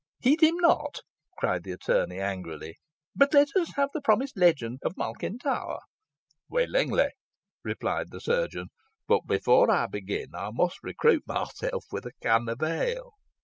"Heed him not," cried the attorney, angrily, "but let us have the promised legend of Malkin Tower." "Willingly!" replied the chirurgeon. "But before I begin I must recruit myself with a can of ale."